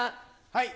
はい。